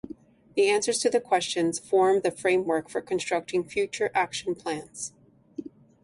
The answers to the questions form the framework for constructing future action plans.